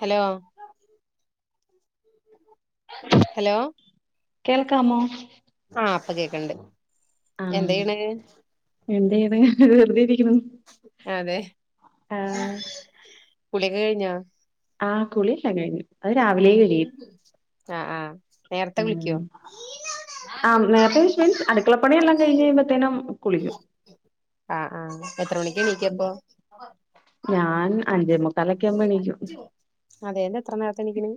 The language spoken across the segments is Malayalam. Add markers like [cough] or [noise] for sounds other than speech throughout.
ഹലോ ഹലോ കേൾക്കാമോ? ആഹ് ഇപ്പ കേക്കൺണ്ട് ആഹ് എന്തയ്യ്ണ് വെറുതെ ഇരിക്കുണു അതെ കുളിയൊക്കെ കഴിഞ്ഞോ? ആഹ് കുളി കഴിഞ്ഞു അത് രാവിലെ കഴി ആഹ് ആഹ് നേരത്തെ ഉം വിളിക്ക്‌യോ? ആഹ് നേരത്തെ വിശ് മീൻസ് അടുക്കളപ്പണിയെല്ലാം കഴിഞഴിയുമ്പഴത്തേനും കുളിക്കും ആഹ് ആഹ് എത്ര മണിക്കെണീക്കപ്പോ? ഞാൻ അഞ്ചേ മുക്കാലൊക്കെ യാകുമ്പോയെണിക്കും അതെന്താ എത്ര നേരത്തെണിക്കണ്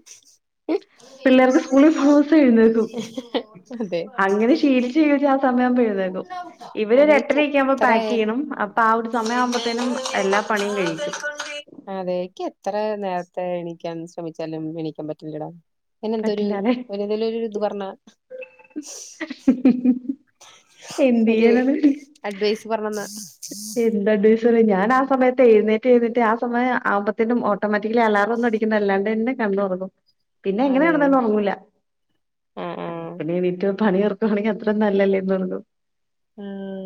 പിള്ളേർക്ക് സ്കൂളിൽ പോണോസം എഴുന്നേൽക്കും അതെ അങ്ങനെ ശീലിച്ചു ശീലിച്ചു അ സമയാവുമ്പയുന്നേക്കും ഇവര് അതേക്ക് ഒരെട്ടരക്കാമ്പോ എത്ര പാക്ക് ആയാലും ചെയ്യണം അപ്പൊ ആ ഹ് ഒരു സമയവുമ്പത്തേനും എല്ലാ പണിയും കഴിക്കും അതേക്കെത്ര നേരത്തെ എണീക്കാൻ ശ്രമിച്ചാലും എണീക്കാൻ പറ്റില്ലടാ അയ്നെന്തൊരു പറ്റില്ലാല്ലേ ഒരു ഇതിൽ ഒരു ഇത് പർഞ്ഞാ ഒരു എന്തെയ്യാനാണ് അഡ്വൈസ് പർഞ്ഞെന്ന ഏതിന്റെ അഡ്വൈസറിം ഞാനാസയത്ത് എഴുന്നേറ്റ് എഴുന്നേറ്റ് ആഹ് സമയാവുമ്പത്തേനും ഓട്ടോമാറ്റിക്കലി അലാറൊന്നുംഅടിക്ക ന്നല്ലാണ്ടന്നെ കണ്ണുതുറ ക്കും പിന്നെ എങ്ങനെ അതെ കെടന്നാലും ഒറങ്ങൂല ആഹ് അല്ല ആഹ് പിന്നെ എണീറ്റ് പണി എടുക്കുവാണെങ്കി അത്ര നല്ലേല്ലെന്നു ഓർക്കും ഉം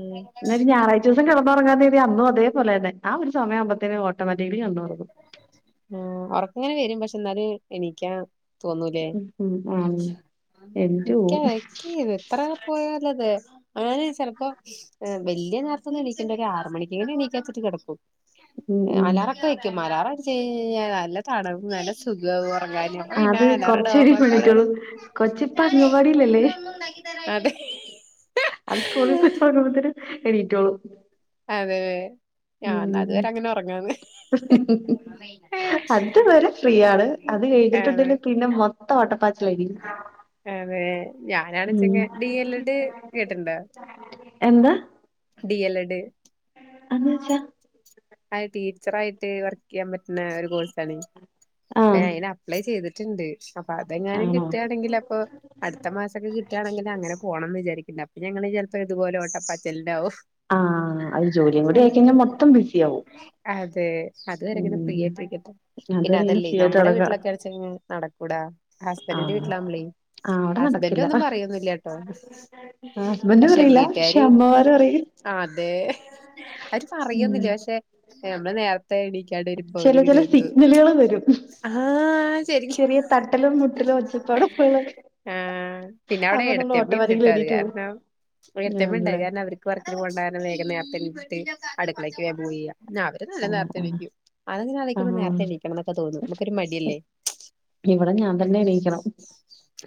ഭയങ്കരം എന്നാച്ച ഞായറായ്ച്ചൂസം കെടന്നൊറങ്ങാതീതി അന്നും അതേ പേലെന്നെ ആഹ് ഒരു സമയംകുമ്പോത്തേനും ഓട്ടമാറ്റിക്കിലി കണ്ണ് തുറന്നു ആഹ് ഒറക്കിങ്ങനെ വെരും പക്ഷെ എന്നാലും എനീക്കാ തോന്നൂലേ ഉം ഉം ആഹ് എണീറ്റ് ഇക്ക പോവും. ഇക്കീത് ത്ര പോയാലതേ അങ്ങനെ ചെലപ്പോ ഏഹ് വല്യ നേരത്തൊന്ന്ണീക്കണ്ട ഒരാറ് മണിക്കേലും എണീക്കാച്ചിട്ട് കെടക്കും. ഉം എ ഉം അലാറ ക്കെ വെക്കും അലാറടിച്ച് കഴിഞ്ഞാ നല്ല തണപും നല്ല സുഗാവും ഒറങ്ങാന്. ആഹ് അത് കൊർച്ചഴി മ്പെണീറ്റോളും കൊച്ച്പ്പംഗവാടിലല്ലേ അതെ അത് സ്കൂളിൽ കൊണ്ടു പോകുമ്പത്തിനും എണീറ്റോളും. അതെതെ ഞാൻന്ന അത് വരെ ഉം അങ്ങനൊറങ്ങാന്ന് അത് വരെ ഫ്രീയാണ്. അത് അതെ കഴിഞ്ഞിട്ടുണ്ടെല് പിന്നെ മൊത്തം ഓട്ടപ്പാച്ചിലാരിക്കും. അതെ ഞാനാണെച്ചെങ്കെ ഡി എൽ എഡ് കേട്ടിണ്ടോ?. എന്താ? ഡി എൽ എഡ് അഅ്ന്ന് വച്ചാ അഅ് ടീച്ചറായിട്ട് വർക്കെയ്യാൻ പറ്റ്ണ ഒരു കോഴ്സാണ്. പ്പ ആഹ് [unintelligible] അപ്ലൈ ചെയ്തിട്ടിണ്ട് അപ്പ തെങ്ങാനും ആണോ കിട്ടാണെങ്കിലപ്പൊ അടുത്ത മാസൊക്കെ കിട്ടാണെങ്കിലങ്ങനെ പോണംന്ന് വിചാരിക്കിണ്ട് അപ്പ ഞങ്ങള് ചെൽപ്പോ ഇതുപോലെ ഓട്ടപ്പാച്ചൽണ്ടാവും. ആഹ് അഅ് ജോലിയും കൂടി ആയിക്കഴിഞ്ഞാ മൊത്തം ബിസി ആവും. അതെ അത് വരെ ങ്ങനെ ഫ്രീ ഉം ആയിട്ടിരിക്കട്ടെ. പിന്നെ അതുവരെ ഇങ്ങനെ അതല്ലേ ഫ്രീ ആയിട്ട് നമ്മുടെ നടക്ക വീട്ടിലൊക്കാണ്ച്ചാ നടക്കൂടാ ഹസ്ബൻഡിന്റെ ആഹ് വീട്ടിലാവുമ്പളേ ആഹ് അവിടെ നടക്കില്ല ഹസ്ബന്റൊന്നും പറയൊന്നുല്ല്യട്ടോ. ആഹ് ഹസ്ബന്റ് പറയില്ല. പക്ഷെ അമ്മമാര് പറയും. അതെ അവര് പറയൊന്നില്ല. പക്ഷെ നമ്മള് നേരത്തെ എണി ചെറിയ ചെറിയ സിഗ്നലുകള് വരും ആഹ് ശരിക്കും ചെറിയ തട്ടലും മുട്ടലും ഒച്ച പാടും ബഹളൊക്കെ ആഹ് പിന്നവിടെ ഏടത്ത്യമ്മയ്ണ്ടിട്ടോ അത് എണീറ്റ് പോവും കാരണം ഏടത്തിയമ്മണ്ട് അഅ് ആണല്ലേ കാരണം അവര് [unintelligible] വേഗം നേർത്തെണീച്ചിട്ട് അടുക്കളേക്ക് വേം പോവെയ്യ ന്നാഗ് വര് നല്ല ആഹ് നേരത്തെ ആഹ് ണീക്കും. അത് ങ്ങനാലോ യ്ക്കുമ്പോ ആഹ് നേര്ത്തെണീക്കണം ന്നൊക്കെ തോന്നും മക്കൊരു മടിയല്ലേ. ഇവിടെ ഞാൻ തന്നെ എണീക്കണം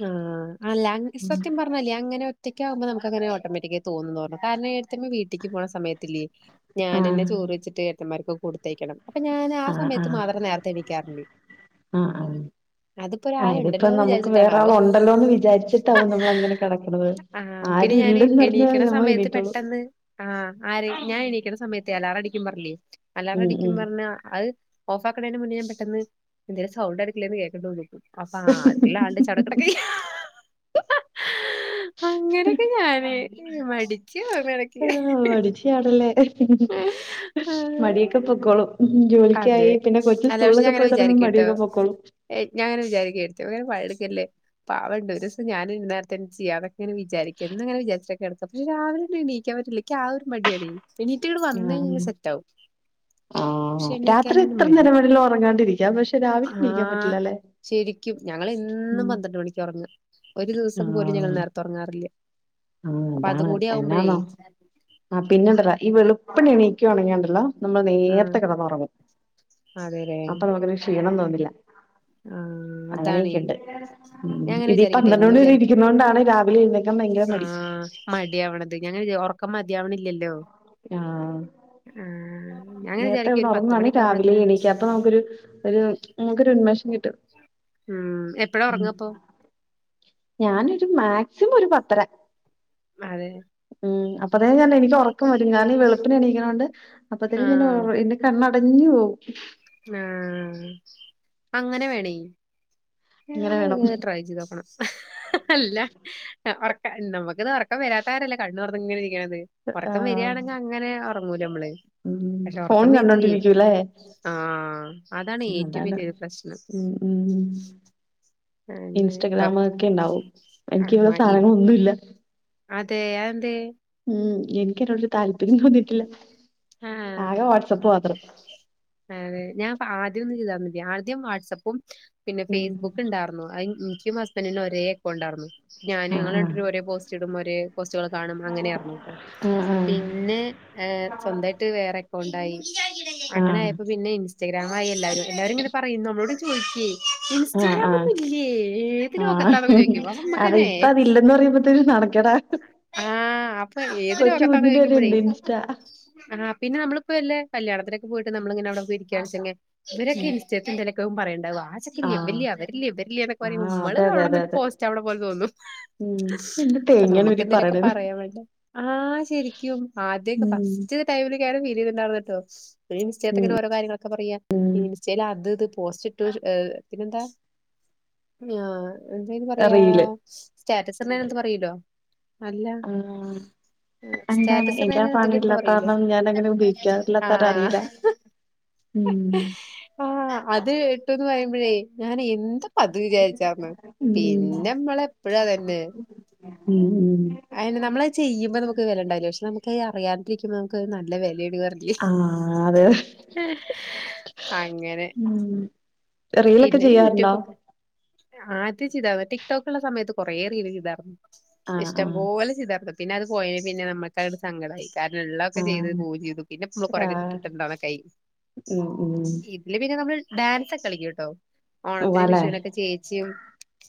ആഹ് ആ ലാം [unintelligible] സത്യം പ [unintelligible] അങ്ങന ഒറ്റക്കാകുമ്പ നമുക്കങ്ങനെ ഓട്ടോമാറ്റിക്കായി തോന്നുന്നു വർഞ്ഞു കാരണം ഏട്ത്ത്യമ്മ വീ ട്ടിക്ക് പോണ സമയത്തില്ലേ ഞാനന്നെ ആഹ് ചോറ് വെച്ചിട്ട് ഏട്ടന്മാർക്കൊക്കെ കൊടുത്തയക്കണം. അപ്പം ഞാനാ ആഹ് സമയത്ത് ആഹ് മാത്രം നേരത്തെണീക്കാറ്‌ണ്ട്‌. ആഹ് ആഹ് ആഹ് ഇതിപ്പം ഒരാളുണ്ടല്ലോ നമുക്ക് വിചാരിച്ചിട്ടാണാവോ വേറാള് ഒണ്ടല്ലോ എന്ന് വിചാരിച്ചിട്ടാവും നമ്മളങ്ങനെ കെടക്ക്ണത്. ആഹ് പിന്നെ ഞാന് എണീക്കണ സമയത്ത് എണീറ്റോളും പെട്ടെന്ന് ആഹ് ആര് ഞാൻ എണീക്കുന്ന സമയത്തെ അലാറടിക്കും പറില്ലേ ഉം അലാറടിക്കും ഉം പർഞ്ഞാ അഅ് ഓഫാക്ക്ണേന്റ മുന്നെ ഞാൻ പെട്ടെന്ന് എന്തെലു സൗണ്ട ടുക്കളെന്ന് കേക്ക്ണ്ടോന്ന് നോക്കും. അപ്പാ ള്ള ആൾടെ ചട കെടക്കയ് അങ്ങനെയൊക്കെ ഞാനേ മടിച്ച്യാ [unintelligible] യ്യാടല്ലേ മടി ഒക്കെ പൊക്കോളും ഉം അതെ ജോലിക്കായി പിന്നെ കൊച്ച് സ്കൂൾലൊക്കെ പോയി തൊടങ്ങുമ്പോ മടിയൊക്കെ പൊക്കോളും. ഏയ് ഞാങ്ങനെ വിചാരിക്ക ഏട്ത്ത്യമ്മെം പണിട്ക്കല്ലേ പാവണ്ട് ഒരുസം ഞാൻ നേരത്തെണിച്ച് ചെയ്യാം അതൊക്കെ വിചാരിക്കും എന്നുങ്ങന വിചാരിച്ചിട്ട കെടക്ക പക്ഷെ രാവിലെ ങ്ങട് ണീകാൻ പറ്റില്ലേ. യ്ക്കാ ഒരു മടിയാടി എണീട്ട് ങ്ങട് വന്ന് കഴിഞ്ഞാ ആഹ് സെറ്റാവും. ആഹ് പക്ഷെ രാത്രി എണീക്കാനൊരു എത്ര മടി നേരം വേണേലും ഒറങ്ങാണ്ടിരിക്കാം. പക്ഷെ രാവിലെ ണീക്കാൻ ആഹ് പറ്റില്ല അല്ലെ. ശരിക്കും ഞങ്ങളെന്നും ഉം പന്ത്രണ്ട് മണിക്കാ ഒറങ്ങ. ഒരു ദിവസം പോലും ഞങ്ങൾ ആഹ് നേർത്ത ഒറങ്ങാറില്ല്യ. ആഹ് അതാണ് എന്നാന്നോ ആഹ് പിന്നെണ്ടല്ല ഈ വെളുപ്പണി എണീക്ക ണ്ടല്ലോ നമ്മൾ ആഹ് നേരത്തെ കിടന്നുറങ്ങും അതേലേ അപ്പൊ നമുക്കിന് ക്ഷീണം തോന്നില്ല ആഹ് അതാണേ അങ്ങനെയൊക്കെയ ഉണ്ട് ഉം ഞാൻ അങ്ങനെ ഇത് വിചാരിക്കട്ടെ പന്ത്രണ്ട് എന്നും മണി വരെ വിചാരിക്കും ഇരിക്കുന്നതൊണ്ട് ആണ് രാവിലെ ഇ ആഹ് മടി ആവണത് ഞങ്ങ ഉറക്കം മതിയാവണില്ലല്ലോ ആഹ് ആഹ് ഞാങ്ങനെ നേരത്തെ വിചാരിക്കും ഒരു പത്ത് കിടന്നുറങ്ങുവാണേൽ മണിയൊക്കെ രാവിലെ ആവുമ്പഴത്തേനും എണീക്കപ്പ നമുക്കൊരു ഒരു നിങ്ങൾക്ക് ഒരു ഉന്മേഷം കിട്ടും ഉം എപ്പഴ ഉം ഉറങ്ങപ്പോ ഞാനൊരു മാക്സിമം ഒരു പത്തര അതെ ഉം അപ്പത്തേ ഞാ എനിക്ക് ഉറക്കം വരും കാരാന ഈ വളുപ്പിന എണീക്കണോണ്ട് അപ്പത്തേന ആഹ് ഞ കണ്ണടഞ്ഞു പോവും ആഹ് അങ്ങനെ വേണേ ഇങ്ങനെ വേണം ഞാനങ്ങനെ ട്രൈ ചെയ്തോക്കണം അല്ല ഉറ നമുക്കിത് ഉറക്കം വരാത്താരല്ല കണ്ണുതുറന്നു ഇങ്ങനെ ഇരിക്കണത് ഉറക്കം ആഹ് വരികയാണെങ്കിൽ അങ്ങനെ ങ്ങൂലെ നമ്മള് ഉം പക്ഷെ ഫോൺ ഒറക്കം വരില്ലേ കണ്ടോണ്ടിരിക്കല്ലേ ആഹ് അതാണ് ഏറ്റവും വലിയൊരു പ്രശ്നം ഉം അന്നെ ഇപ്പ ഇൻസ്റ്റഗ്രാമ ഒക്കെ ണ്ടാവും എനിക്ക് ഈ വക സാധനങ്ങള ന്നുല്ല അതേ അതെന്തേ ഉം എനിക്കതിന്നോടൊരു താല്പര്യം തോന്നിയിട്ടില്ല ആഹ് ആകെ വാട്സആപ്പ് മാത്രം അഹ് ഞാൻ ആദ്യം ഒന്ന് ചെയ്താൽ മതി ആദ്യം വാട്സആപ്പും പിന്നെ ഉം ഫേസ്ബുക്ക് ഉണ്ടായിരുന്നു അയി നിക്കും ഹസ്ബൻറിനും ഒരേ അക്കൗണ്ടായിരുന്നു ആഹ് ഞാനുംഞങ്ങരണ്ടിരും ഒരേ പോസ് ഒരുേ കൊസ്സുകൾ കാണും അങ്ങനെയ ആയിരുന്നു കേട്ടോ ആഹ് പിന്നെ സ്വന്തമായിട്ട് വേറെ അക്കൗണ്ടായി ആഹ് അങ്ങനെയപ്പോ പിന്നെ ഇൻസ്റ്റാഗ്രാ ആയി എല്ലരും എല്ലാവരും ഇങ്ങനെ പറയുന്നു നമ്മളോട് ചോദിക്കേ ആഹ് ഇൻസ്റ്റാഗ്രാം ആഹ് ഒന്നും ഇല്ലേ ഏത് ലോകത്താന്നൊക്കെ ആഹ് ചോദിക്കും അപ്പൊ അത് നമ്മക്കന്നെ ഇപ്പം അതില്ലന്ന് പറയുമ്പത്തേ നടക്ക കടാ ആഹ് അപ്പൊ ഏത് ലേകത്താന്ന് വരെ ഉണ്ട് ചോദിക്കുമ്പോഴേയ് ഇൻസ്റ്റ ആഹ് പിനെ നമ്മളിപ്പോ വല്ല കല്യാണനൊക്കെ പോയിട്ട് നമ്മളിങ്ങനെ അവിടെ പോയി ഇരിക്കുകാണ്ച്ചെകിൽ ഇവരൊക്കെ ഉം ഇസ്റ്റലൊക്കെ പറയണ്ടാവും ആ ചെക്കൻ വ ആഹ് വല് വരില്ലേ വെല എന്നൊക്കെ പറയ്പ ആഹ് നമ്മള് അതെ അതെ അതെ അവിടെന്നട്ട് അതെ പോസ്റ്റ് അവിടെ പോലെ തോന്നുന്നു ഉം എന്ത് അ ഹ് തേങ്ങയാണ് നമുക്ക് ഇവര് എന്തിനൊക്കെ പറയണത് പറയാൻ വേണ്ട ആഹ് ശരിക്കും ആദ്യമൊക്കെ ഉം ഫസ്റ്റ് ടൈമിലക്കെും ഫീല് ചെയ്തുണ്ടായിരന്ന കേട്ടോ ഇൻസ്റ്റിറ്റ് ഉം എങ്ങന ഓരോര്യങ്ങളൊക്കെ പറയാ ഉം ഇൻസ്റ്റയില് അത് ഇത് പോസ്റ്റ് ഇട്ട് പിന്നെന്താ ആഹ് എന്തായും പറയാ റീല് സ്റ്റാറ്റസ് എ എന്ത് പറല്ലോ അല്ല ആഹ് എന്താണ് സ്റ്റാറ്റസ് എനിക്കാ ഇട്ണേന് സാദനം ഇതിലെന്തോ ഇല്ലാത്ത പറയൂലേ കാരണം ഞാൻ അങ്ങനെ ഉപയോഗിക്കാറില്ലാത്തകാരണം ആഹ് അറിയില്ല ഉം ആഹ് അത് ഇട്ടുന്ന് പറയുമ്പോഴേ ഞാൻ എന്ത് അത് വിചാരിച്ചാന്ന് ഉം പിന്നെമ്മള എപ്പഴാ അതന്നെ ഉം ഉം അയിന് നമ്മളത് ചെയ്യുമ്പോ നമുക്ക് വെലണ്ടാവില്ല. പക്ഷേ നമക്ക് അറിയാണ്ടിരിക്കുമ്പോ നമക്ക് അത് നല്ല വെലയാണ് പറ ആഹ് അതെ അങ്ങനെ ഉം റീലൊക്കെ പിന്നെ ചെയ്യാറുണ്ടോ? യൂട്യൂബൊക്കെ ആദ്യം ചീതാർന്നു. ടിക്ടോക്ക് ള്ള സമയത്ത് കൊറേ റീല് ചെയ്താർന്നു. ആഹ് ഇഷ്ടം ആഹ് പോലെ ചീതേർന്നു. പിന്നെ അത് പോയേ പിന്നെ നമ്മക്കതൊരു സങ്കടായി. കാരണംള്ളതൊക്കെ ചെയ്ത് ആഹ് പൂവും ചീതു. പിന്നെ ആഹ് [unintelligible] ഉം ഉം ഈ ഇല്ല പിന്നെ നമ്മള് ഡാൻസ് ഒക്കെ കളിക്കും ട്ടോ. ഓണത്തിനും ഉവ്വാല്ലേ വിഷുവിനൊക്കെ ചേച്ചിയും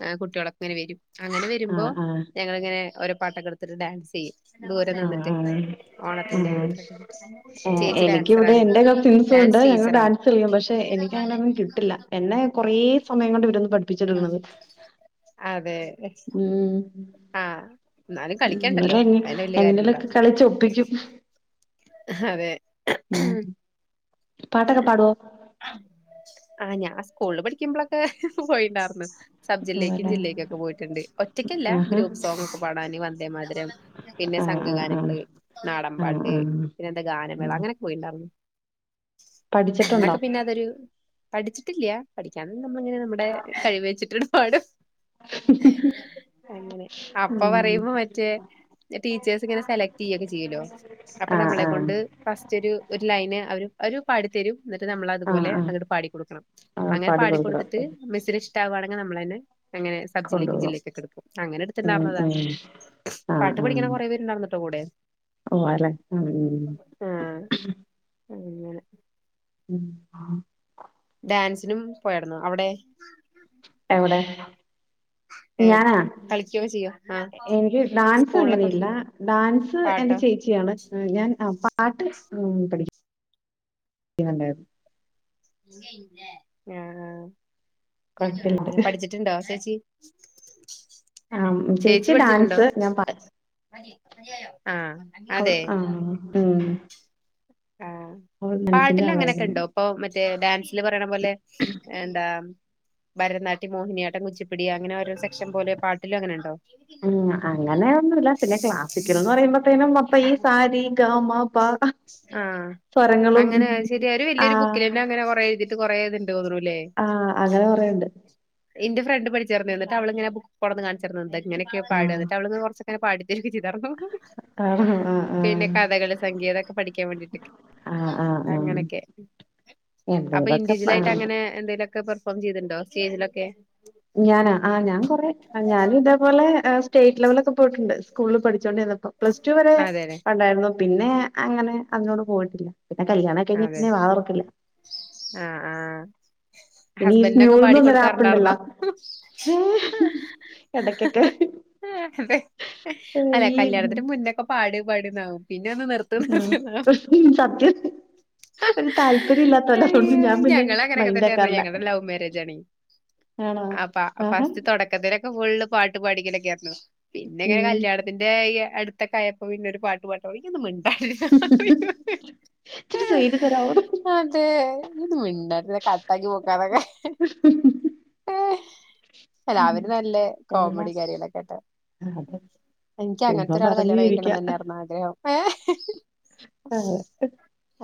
ആഹ് കുട്ട്യോളോക്കെങ്ങനെ വരും. അങ്ങനെ വരുമ്പോ ആഹ് ആഹ് ഞങ്ങളിങ്ങനെ ഓരോ പാട്ടൊക്കെ എടുത്തിട്ട് ഡാൻസ്യ്യും ദൂരം ആഹ് നിന്നിട്ട് ആഹ് ഓണത്തിന്റെ ഇങ്ങനെ ആഹ് എന്തലൊക്കെ. ചേച്ചി ഡാൻസറാണേ. തോണ്ട് ഡാൻസ് ഞങ്ങൾ ടീച്ചറാണ് ഡാൻസ് കളിക്കും. പക്ഷേ എനിക്ക് അങ്ങനെയൊന്നും കിട്ടില്ല. എന്നെ കൊറെ സമയം കൊണ്ട് ഇവരുന്ന് പഠി അതെ ഉം ആഹ് എന്നാലും ഉം. കളിക്കണ്ടല്ലോ ന്നാലും അതന്നെ [unintelligible] വല്യ കാര്യല്ലടാ എങ്ങനേലൊക്കെ കളിച്ച് ഒപ്പിക്കും. അതെ ഉം. പാട്ടൊക്കെ പാട്വോ? ആഹ്. ഞാൻ സ്കൂളില് പഠിക്കുമ്പളൊക്കെ പോയിണ്ടാർന്ന്. സബ്ജില്ലേക്കും ഉവ്വാല്ലേ ജില്ലേക്കൊക്കെ പോയിട്ടുണ്ട്. ഒറ്റയ്ക്കല്ല. ആഹാ ഗ്രൂപ്പ് സോങ് ഒക്കെ പാടാന്. വന്ദേമാതരം. പിന്നെ ആഹ് ആഹ് ആഹ് സംഘഗാനങ്ങള്. ആഹ് നാടൻപാട്ട്. ആഹ് പിന്നെന്താ ഗാനമേള ഉം അങ്ങനെ ക്കെ ഇണ്ടാർന്നു. പഠിച്ചിട്ടുണ്ടോ അന്നൊക്കെ പിന്നെ അതൊരു പഠിച്ചിട്ടില്ല. പഠിക്കാണ്ട് നമ്മളിങ്ങനെ നമ്മടെ കഴിവ് വെച്ചിട്ടിങ്ങട് പാടും. അങ്ങനെ അപ്പ ഉം പറയുമ്പോ മറ്റേ ടീച്ചേഴ്സ് ഇങ്ങനെ സെലക്ട്യ്യൊക്കെ ചിയ്യല്ലോ അപ്പോ ആഹ് നമ്മളെ ആഹ് കൊണ്ട് ഫസ്റ്റ് ഒരു ഒരു ലൈന് അവര്, അവരു പാടിത്തരും. ന്നിട്ട് നമ്മള് ആഹ് അതുപോലെ ആഹ് അങ്ങട് പാടി ക്കൊടുക്കണം. ആഹ് അങ്ങനെ പാടി പാടിക്കൊടുത്തിട്ട് കൊടുക്കണം മിസ്സിന് ഇഷ്ടാവാണെങ്ക് നമ്മളേനേ അങ്ങനെ സബ്ജില്ലേക്കും കൊണ്ടുപോവാ ജില്ലേക്കും ഒക്കെ എടുക്കും. ഉം അങ്ങനെടുത്ത്ണ്ടാർന്നതാ. ഉം പാട്ട് പഠിക്കണ കൊറെ പേരുണ്ടായിരുന്നുട്ടോ കൂടെ. ഉവ്വാല്ലേ? ഉം. ഉം. ആഹ് ഉം. അങ്ങനെ ഉം ആഹ് ഡാൻസിനും പോയേർന്നോ? അവടെ? എവടെ? ഞാനാ? കളിക്കൊക്കെ ചെയ്യോ ആഹ് എനിക്ക് ഡാൻസ് സ്കൂളിലൊക്കെ അങ്ങനെയില്ല. പഠിക്കുമ്പോ ഡാൻസ് എന്റെ പാട്ടോ ചേച്ചിയാണ്. ഞാൻ ആഹ് പാട്ട്. ഉം. പഠിക്കും [unintelligible] ണ്ടായിരുന്നു. [inaudible] ആഹ് കുഴപ്പമില്ലാണ്ട് [inaudible] പഠിച്ച് ണ്ടോ ചേച്ചി. എന്റെ? ആഹ് ചേച്ചി പഠിച്ചിട്ടുണ്ടോ? ഡാൻസ് ഞാൻ പാ [inaudible] ആഹ് അവൾ അതെ ആഹ്. ഉം ആഹ്. അവൾ ഡാൻസിന്റെ പാട്ടില് ആളായിരുന്നു അങ്ങനൊക്കെണ്ടോ? ഇപ്പോ മറ്റേ ഡാൻസില് പറയണപോലെ. എന്താ? ഭരതനാട്ട്യം മോഹിനിയാട്ടം കുച്ചിപ്പിട്യാ അങ്ങനെ ഓരോ സെക്ഷൻ പോലെ പാട്ടിലും അങ്ങനണ്ടോ? ഉം [inaudible] അപ്പയീ സാ രി ഗ മ പ ആഹ്. സ്വരങ്ങളും അങ്ങനെ ശര്യാ. ഒരു വല്ല്യോരു ആഹ് ബുക്കിലന്നേ അങ്ങനെ കൊറെ എഴുതി. കൊറേത്ണ്ട് തോന്നുണുല്ലേ? ആഹ് അങ്ങനെ കൊറേണ്ട്. ഇന്റെ ഫ്രണ്ട് പഠിച്ചാർന്ന്. എന്നിട്ട് അവളിങ്ങനെ ബുക്ക് കൊടന്ന് കാണിച്ചർന്നിണ്ടായി ഇങ്ങനൊക്കെയാ പാടാന്ന്. ആഹ് എന്നിട്ട് അവള് കൊറച്ച ഇങ്ങനെ പാടിത്തര്യൊക്കെ ചെയ്താർന്നു. ആഹ് ആഹ് ആഹ്. പിന്നെ കഥകള് സംഗീതൊക്കെ പഠിക്കാൻ വേണ്ടിട്ടൊക്കെ, ആഹ് ആഹ് ആഹ് അങ്ങനെയൊക്കെ. അപ്പൊ എന്തെങ്കിലൊക്കെ ഇൻഡിവിജ്വൽ ആയിട്ട് അങ്ങനെ എന്തേലുമൊക്കെ പെർഫോം ചെയ്തിട്ട്ണ്ടോ സ്റ്റേജിലൊക്കെ? ഞാനാ? ആഹ് ഞാൻ കുറെ, ഞാനും ഇതേപോലെ സ്റ്റേറ്റ് ലെവലൊക്കെ പോയിട്ടുണ്ട് സ്കൂളിൽ പഠിച്ചോണ്ടിരിന്ന പ്ലസ് റ്റു വരെ അതെല്ലെ ഉണ്ടായിരുന്നു. പിന്നെ അങ്ങനെ അതിനോട് പോയിട്ടില്ല. പിന്നെ കല്യാണൊക്കെ കഴിഞ്ഞേ അതെ പിന്നെ വാ തുറക്കില്ല. ആഹ് ആഹ്. പിന്നെ ഈ ഹസ്ബൻഡിനൊക്കെ സ്മൂൾന്ന് പാടി പറഞ്ഞൊരു ആപ്പുണ്ടല്ലോ? കൊടുക്കാറുണ്ടായിരുന്നോ ഏഹ് എടക്കൊക്കെ. അതെ. അല്ല കല്ല്യാണത്തിന് മുന്നൊക്കെ പാട് പാട്ന്നാവും പിന്നെ ഒന്ന് നിർ ആഹ്. സത്യം. ഒരു താല്പര്യം ഇല്ലാത്ത പോലെ. അതുകൊണ്ട് അയ്യോ ഞാൻ പിന്നെ ഞങ്ങള് അങ്ങനെയൊക്കെ തന്നെയായിരുന്നു മൈന്റാക്കാറില്ലാ. ഞങ്ങടെ ലവ് മാരേജ് ആണേ ആണോ? അപ്പ ആഹ. ഫസ്റ്റ് തൊടക്കത്തിലൊക്കെ ഫുള്ള് പാട്ട് പാടിക്കലൊക്കെ ആയിരുന്നു. പിന്നെ ഇങ്ങനെ ഉം കല്യാണത്തി ന്റെ അടുത്തൊക്കെ ആയപ്പ പിന്നെ ഒരു പാട്ട് പാട്ട് ഇയ്യൊന്ന് മിണ്ടാതിരിന്നാ ഇച്ചിരി സൌര്യം തരാവോന്ന് അതെ. ഒന്ന് മിണ്ടാതിരുന്നെ കട്ടാക്കി പോക്കാന്നൊക്കെ. അല്ല അവര് നല്ല ഉം കോമഡി കാര്യങ്ങളൊക്കെയാട്ടോ അതെ ചുമ്മാ എനിക്കങ്ങനത്തെ ഒരാളെ പറഞ്ഞു കല്ല്യാണം ചിരിക്ക കഴിക്കണംന്ന് തന്നെയായിരുന്നു ആഗ്രഹം. ഏഹ്. ആഹ് ട്ട്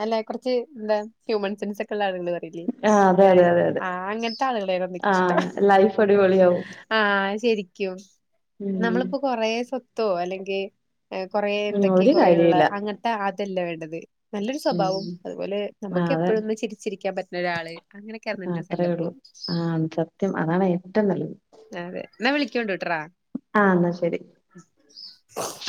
അല്ല കുറച്ച് എന്താ ഹ്യൂമൻ സെൻസ് ഒക്കെ ഉള്ള ആളുകള് ല്ലേ, അതെ അങ്ങനെ അതെ അതെ അതെ ആഹ് അങ്ങനത്തെ ആളുകളെയാ എനിക്ക് ഇഷ്ടം. ആഹ് ലൈഫ് അടിപൊളിയാവും ആഹ് ശരിക്കും. ഉം നമ്മളിപ്പൊ കൊറേ സ്വത്തോ അല്ലെങ്കിൽ കുറേ ഉം എന്തൊക്കെ ഒരു കൊറേള്ള കാര്യല്ല അങ്ങനത് ത്തെ അതല്ല വേണ്ടത്. നല്ലൊരു ഉം സ്വഭാവം അതുപോലെ ആ നമുക്ക് അതെ എപ്പോഴൊന്ന് ചിരിച്ചിരിക്കാൻ പറ്റുന്ന ഒരാള് അങ്ങനെയൊക്കെയായിരുന്നു എന്റെ ഒരു അത്രയേള്ളു. സങ്കല്പം ആഹ് സത്യം. അതാണ് ഏറ്റവും നല്ലത്. അതെ. എന്ന വിളിക്കോണ്ടു ട്ട്രാ. ആഹ് എന്നാ ശരി. ഉം.